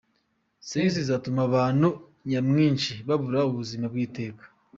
Sex izatuma abantu nyamwinshi babura ubuzima bw’iteka.